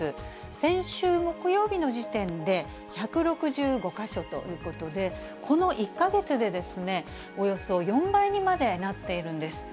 先週木曜日の時点で１６５か所ということで、この１か月でおよそ４倍にまでになっているんです。